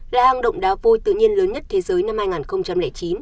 ra hang động đá vôi tự nhiên lớn nhất thế giới năm hai nghìn chín